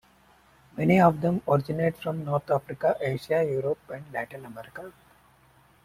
Many of them originate from North Africa, Asia, Europe, and Latin America.